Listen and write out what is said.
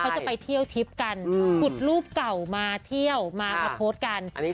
เขาจะไปเที่ยวทริปกันขุดรูปเก่ามาเที่ยวมามาโพสต์กัน